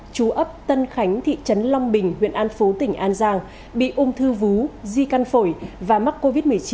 chú ấp tân khánh thị trấn long bình huyện an phú tỉnh an giang bị ung thư vú di căn phổi và mắc covid một mươi chín